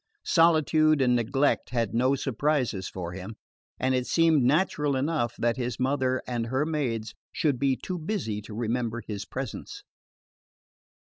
Solitude and neglect had no surprises for him, and it seemed natural enough that his mother and her maids should be too busy to remember his presence.